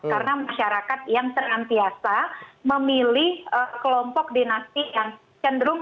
karena masyarakat yang terantiasa memilih kelompok dinasti yang cenderung